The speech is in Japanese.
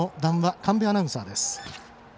神戸アナウンサーです。